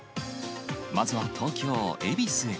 まずは東京・恵比寿へ。